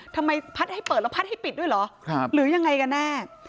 ทำไมพัดให้เปิดแล้วพัดให้ปิดด้วยเหรอหรือยังไงกันแน่